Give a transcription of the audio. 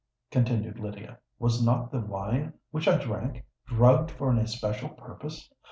continued Lydia. "Was not the wine which I drank, drugged for an especial purpose?